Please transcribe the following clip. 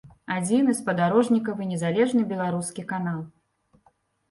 Адзіны спадарожнікавы незалежны беларускі канал.